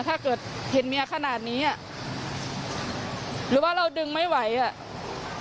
ถ้าเกิดเห็นเมียขนาดนี้อ่ะหรือว่าเราดึงไม่ไหวอ่ะ